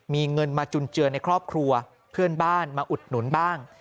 มีเงินมาจุนเจือในครอบครัวเพื่อนบ้านมาอุดหนุนบ้าง